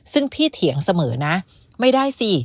ซึ่งพี่เถียงเสมอนะไม่ได้สิ